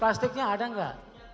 plastiknya ada enggak